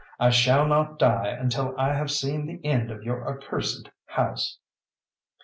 I shall not die until I have seen the end of your accursed house."